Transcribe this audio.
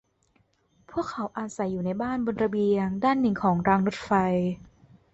พวกเขาอาศัยอยู่ในบ้านบนระเบียงด้านหนึ่งของรางรถไฟ